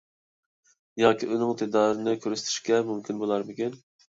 ياكى ئۇنىڭ دىدارىنى كۆرسىتىشكە مۇمكىن بولارمىكىن؟